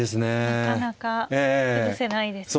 なかなか崩せないですね。